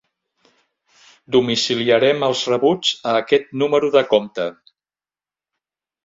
Domiciliarem els rebuts a aquest número de compte.